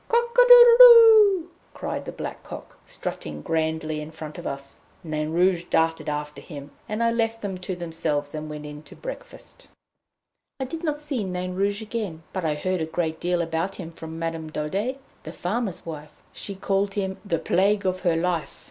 "Cock a doodle doo!" cried the black cock, strutting grandly in front of us. Nain Rouge darted after him, and I left them to themselves and went in to breakfast. I did not see Nain Rouge again, but I heard a great deal about him from Madame Daudet, the farmer's wife; she called him "the plague of her life."